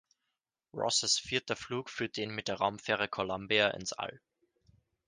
Ross' vierter Flug führte ihn mit der Raumfähre Columbia ins All.